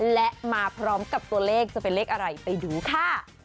และมาพร้อมกับตัวเลขจะเป็นเลขอะไรไปดูค่ะ